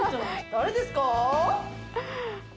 誰ですか？